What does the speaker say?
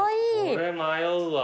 これ迷うわ。